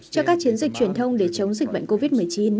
cho các chiến dịch truyền thông để chống dịch bệnh covid một mươi chín